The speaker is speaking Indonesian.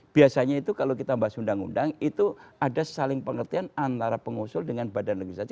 biasanya itu kalau kita membahas undang undang itu ada saling pengertian antara pengusul dengan badan legislatif